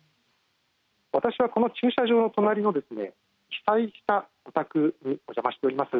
私は駐車場の隣の被災した住宅にお邪魔しています。